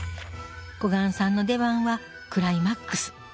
小雁さんの出番はクライマックス。